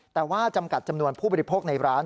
แต่ว่าจำกัดจำนวนผู้บริโภคในร้าน